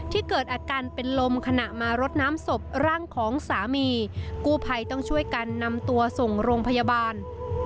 เกิดอาการเป็นลมขณะมารดน้ำศพร่างของสามีกู้ภัยต้องช่วยกันนำตัวส่งโรงพยาบาล